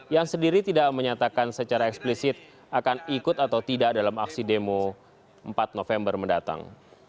yang sendiri tidak menyatakan secara eksplisit akan ikut atau tidak dalam aksi demo empat november mendatang